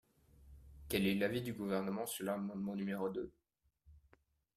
Quel est l’avis du Gouvernement sur l’amendement numéro deux?